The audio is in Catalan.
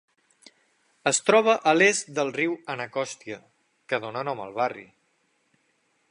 Es troba a l'est del riu Anacostia, que dona nom al barri.